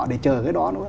để chờ cái đó nữa